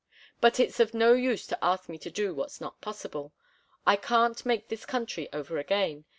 But it's of no use to ask me to do what's not possible. I can't make this country over again.